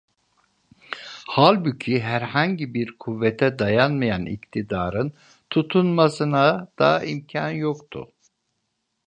Halbuki herhangi bir kuvvete dayanmayan iktidarın tutunmasına da imkan yoktu.